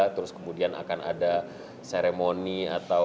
terus kemudian akan ada seremoni atau